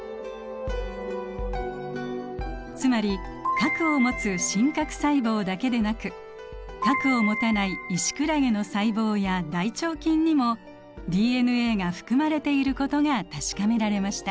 つまり核を持つ真核細胞だけでなく核を持たないイシクラゲの細胞や大腸菌にもＤＮＡが含まれていることが確かめられました。